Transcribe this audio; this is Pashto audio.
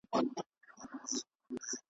هر سړی یې تر نظر پک او پمن وي .